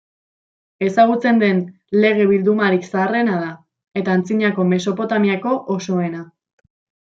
Ezagutzen den lege bildumarik zaharrena da, eta antzinako Mesopotamiako osoena.